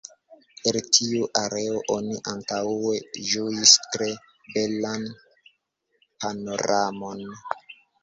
El tiu areo oni antaŭe ĝuis tre belan panoramon.